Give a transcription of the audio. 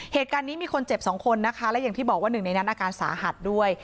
เหตุการณ์นี้มีคนเจ็บสองคนนะคะและอย่างที่บอกว่าหนึ่งในนั้นอาการสาหัสด้วย